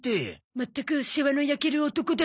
まったく世話の焼ける男だ。